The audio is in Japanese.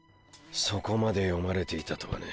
そこまで読まれていたとはね。